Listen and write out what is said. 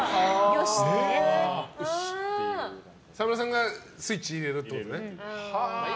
沢村さんがスイッチ入れるってことですね。